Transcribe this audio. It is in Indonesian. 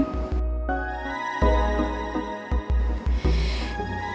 kamu udah jangan pikirin putri